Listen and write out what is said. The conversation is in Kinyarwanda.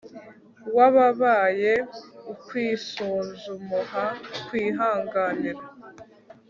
w'abababaye ukwisunz' umuha kwihanganira